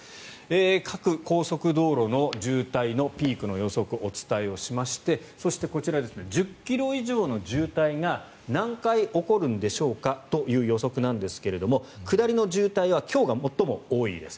各高速道路の渋滞のピークの予測をお伝えをしましてそしてこちら１０ｋｍ以上の渋滞が何回起こるんでしょうかという予測なんですが下りの渋滞は今日が最も多いです。